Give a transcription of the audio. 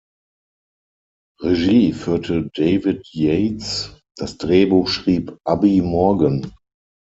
Regie führte David Yates, das Drehbuch schrieb Abi Morgan.